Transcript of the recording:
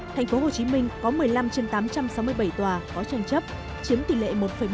thành phố hồ chí minh có một mươi năm trên tám trăm sáu mươi bảy tòa có tranh chấp chiếm tỷ lệ một bảy